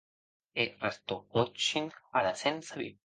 E Rastopchin ara se’n sabie.